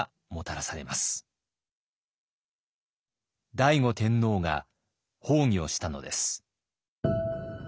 醍醐天皇が崩御したのです。